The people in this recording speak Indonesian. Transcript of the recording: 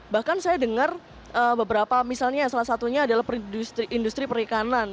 bahkan saya dengar beberapa misalnya salah satunya adalah industri perikanan